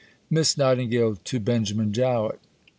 (_Miss Nightingale to Benjamin Jowett.